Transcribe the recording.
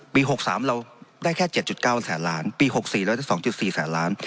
ปีหกสามเราได้แค่เจ็ดจุดเก้าแสนล้านปีหกสี่เราได้สองจุดสี่แสนล้าน